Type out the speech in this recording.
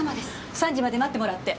３時まで待ってもらって。